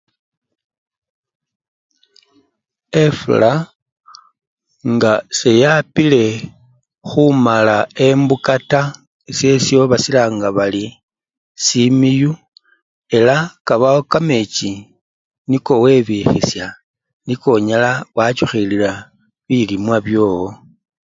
Efula nga seyapile khumala embuka taa, esyesyo basilanga bari simiyu ela kabawo kamechi niko webikhisya niko onyala wachukhilila bilimwa byowo.